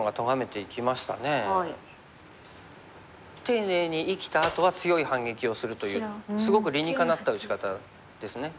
ていねいに生きたあとは強い反撃をするというすごく理にかなった打ち方ですね。